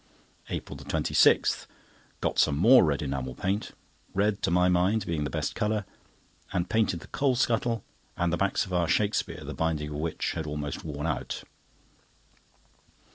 APRIL 26.—Got some more red enamel paint (red, to my mind, being the best colour), and painted the coal scuttle, and the backs of our Shakspeare, the binding of which had almost worn out.